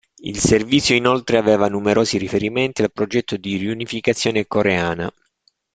Il servizio inoltre aveva numerosi riferimenti al progetto di riunificazione coreana.